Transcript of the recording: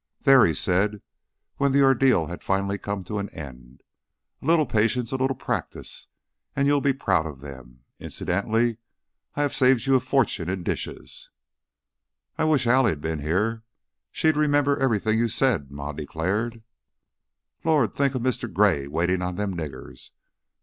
"There!" he said, when the ordeal had finally come to an end. "A little patience, a little practice, and you'll be proud of them. Incidentally, I have saved you a fortune in dishes." "I wish Allie'd been here. She'd remember everything you said," Ma declared. "Lord! Think of Mr. Gray waitin' on them niggers!"